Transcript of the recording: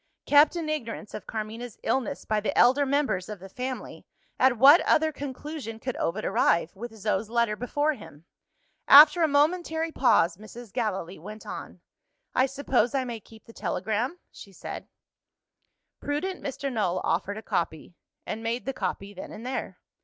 Kept in ignorance of Carmina's illness by the elder members of the family, at what other conclusion could Ovid arrive, with Zo's letter before him? After a momentary pause, Mrs. Gallilee went on. "I suppose I may keep the telegram?" she said. Prudent Mr. Null offered a copy and made the copy, then and there.